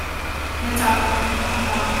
Na cauk rak hlam pah.